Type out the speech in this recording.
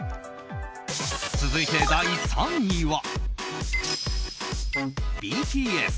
続いて第３位は。